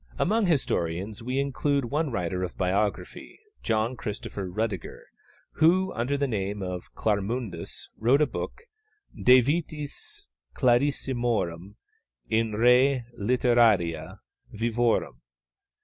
Amongst historians we include one writer of biography, John Christopher Rüdiger, who, under the name of Clarmundus, wrote a book De Vitis Clarissimorum in re Litteraria Vivorum.